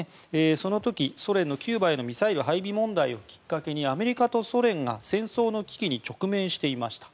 その時、ソ連のキューバへのミサイル配備問題をきっかけにアメリカとソ連が戦争の危機に直面していました。